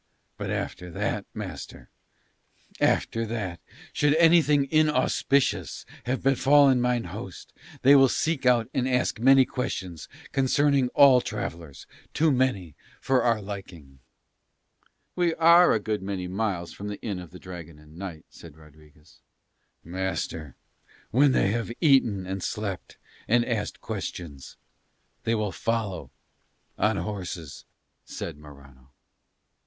But after that; master, after that, should anything inauspicious have befallen mine host, they will seek out and ask many questions concerning all travellers, too many for our liking." "We are many good miles from the Inn of the Dragon and Knight," said Rodriguez. "Master, when they have eaten and slept and asked questions they will follow on horses," said Morano.